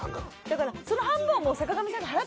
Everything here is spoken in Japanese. だからその半分をもう坂上さんが払ってる。